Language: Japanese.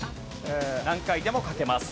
何回でも書けます。